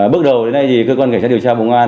bước đầu đến nay thì cơ quan kiểm tra điều tra công an